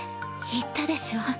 言ったでしょ？